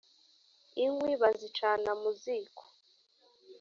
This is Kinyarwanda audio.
inkwi bazicana muziko.